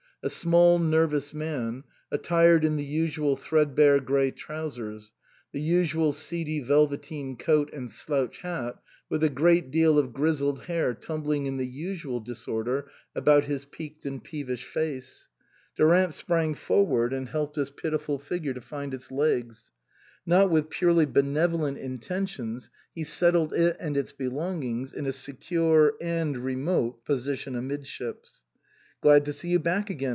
A small, nervous man, attired in the usual threadbare grey trou sers, the usual seedy velveteen coat and slouch hat, with a great deal of grizzled hair tumbling in the usual disorder about his peaked and peevish face. Durant sprang forward and helped this pitiful figure to find its legs ; not with purely benevolent intentions, he settled it and its belongings in a secure (and remote) position amidships. " Glad to see you back again